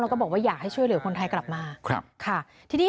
แล้วก็บอกว่าอยากให้ช่วยเหลือคนไทยกลับมาครับค่ะทีนี้